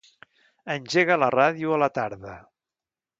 Engega la ràdio a la tarda.